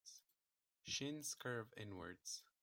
Shins curve inwards.